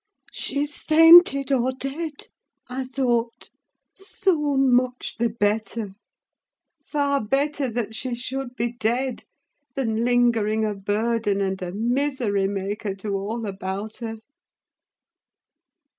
"She's fainted, or dead," I thought: "so much the better. Far better that she should be dead, than lingering a burden and a misery maker to all about her."